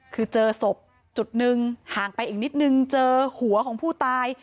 คือเจอศพจุดหนึ่งห่างไปอีกนิดนึงเจอหัวของผู้ตาย